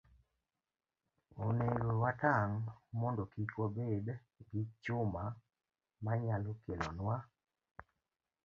Onego watang' mondo kik wabed gi chuma manyalo kelonwa